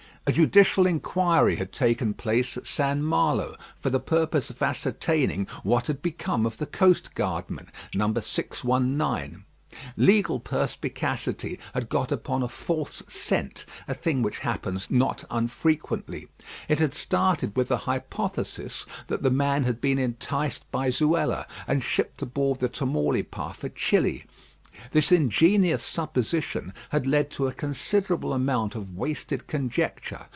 A judicial inquiry had taken place at St. Malo, for the purpose of ascertaining what had become of the coast guardman, number 619. Legal perspicacity had got upon a false scent, a thing which happens not unfrequently. It had started with the hypothesis that the man had been enticed by Zuela, and shipped aboard the Tamaulipas for Chili. This ingenious supposition had led to a considerable amount of wasted conjecture.